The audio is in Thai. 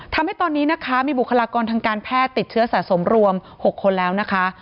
ทำให้ตอนนี้นะคะมีบุคลากรทางการแพทย์ติดเชื้อสะสมรวม๖คนแล้วนะคะ